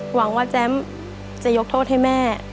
หวังว่าแจ้มจะยกโทษให้แม่